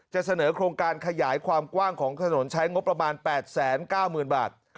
จะเสนอโครงการขยายความกว้างของถนนใช้งบประมาณ๘๙๐๐๐บาท